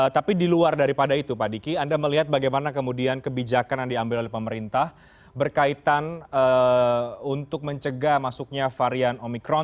tapi di luar daripada itu pak diki anda melihat bagaimana kemudian kebijakan yang diambil oleh pemerintah berkaitan untuk mencegah masuknya varian omikron